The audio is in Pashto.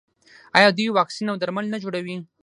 آیا دوی واکسین او درمل نه جوړوي؟